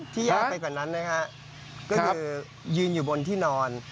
ยากไปกว่านั้นนะฮะก็คือยืนอยู่บนที่นอน